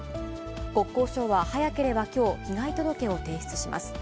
国交省は早ければきょう、被害届を提出します。